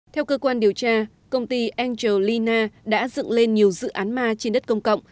theo cơ quan điều tra công ty angelina đã dựng lên nhiều dự án ma trên đất công cộng